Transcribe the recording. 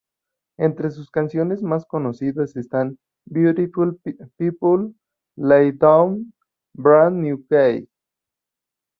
Entre sus canciones más conocidas están "Beautiful People", "Lay Down", "Brand New Key".